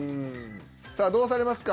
さあどうされますか？